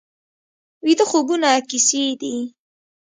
ویده خوبونه کیسې دي